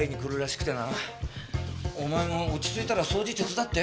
お前も落ち着いたら掃除手伝って。